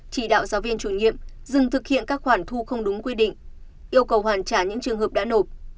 chỉ đạo giáo viên chủ nhiệm dừng thực hiện các khoản thu không đúng quy định yêu cầu hoàn trả những trường hợp đã nộp